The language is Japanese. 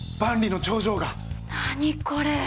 何これ。